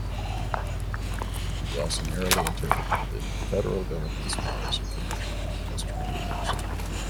They also narrowly interpreted the Federal government's powers in commercial and industrial matters.